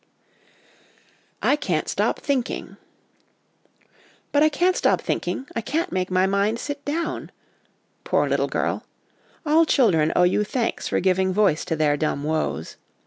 'I can't stop thinking.' 'But I can't stop thinking ; I can't make my mind sit down !' Poor little girl ! All children owe you thanks for giving voice to their dumb woes.